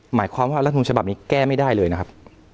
หมายความว่ารัฐมนุนฉบับนี้แก้ไม่ได้เลยนะครับ